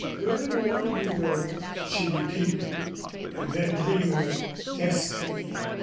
"Good old Udo!" she repeated. And then dreamily, "Destiny!